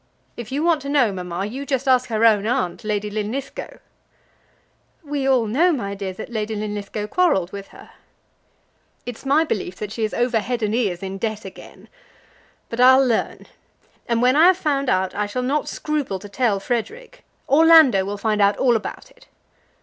If you want to know, mamma, you just ask her own aunt, Lady Linlithgow." "We all know, my dear, that Lady Linlithgow quarrelled with her." "It's my belief that she is over head and ears in debt again. But I'll learn. And when I have found out, I shall not scruple to tell Frederic. Orlando will find out all about it."